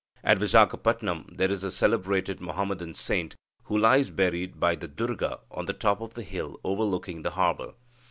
At Vizagapatam there is a celebrated Muhammadan saint, who lies buried by the Durga on the top of the hill overlooking the harbour.